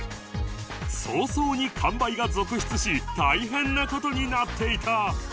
早々に完売が続出し大変な事になっていた